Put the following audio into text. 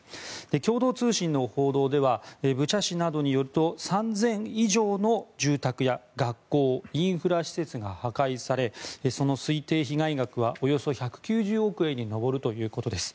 共同通信の報道ではブチャ市などによると３０００以上の住宅や学校インフラ施設が破壊されその推定被害額はおよそ１９０億円に上るということです。